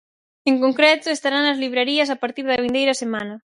En concreto, estará nas librarías a partir da vindeira semana.